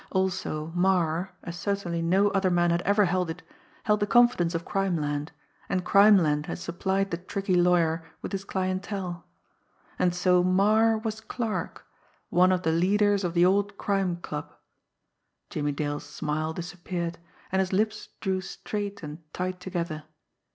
Also Marre, as certainly no other man had ever held it, held the confidence of crimeland and crime land had supplied the tricky lawyer with his clientele. And so Marre was "Clarke," one of the leaders of the old Crime Club! Jimmie Dale's smile disappeared, and his lips drew straight and tight together.